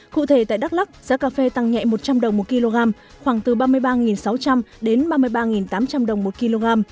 cụ thể tại đắk lắc giá cà phê tăng nhẹ một trăm linh đồng một kg khoảng từ ba mươi ba sáu trăm linh đến ba mươi ba tám trăm linh đồng một kg